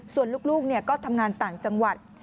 ส่วนลูกก็ทำงานต่างจังหวัด